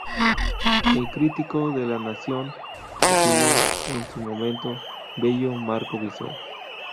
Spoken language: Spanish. El crítico de "La Nación" opinó en su momento: "Bello marco visual.